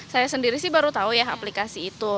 saya sendiri baru tahu aplikasi itu